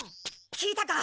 聞いたか？